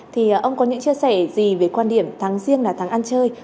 thì ông có những chia sẻ gì về quan điểm tháng riêng là tháng ăn chơi